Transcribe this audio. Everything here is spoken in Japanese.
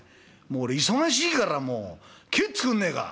もう俺忙しいからもう帰っつくんねえか」。